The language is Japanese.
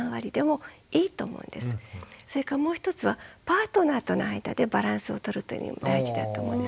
それからもう一つはパートナーとの間でバランスを取るというのも大事だと思うんです。